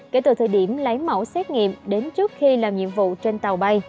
kể từ thời điểm lấy mẫu xét nghiệm đến trước khi làm nhiệm vụ trên tàu bay